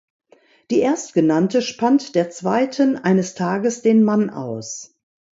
Die Erstgenannte spannt der zweiten eines Tages den Mann aus.